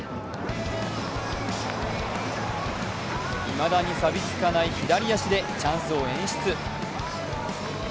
いまだにさびつかない左足でチャンスを演出。